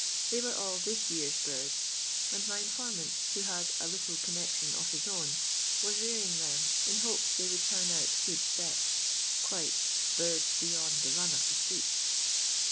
They were all this year's birds, and my informant, who had "a little oonnec tion of his own," was rearing them in hopes they would turn out good specs, quite "birds beyond the run of the streets."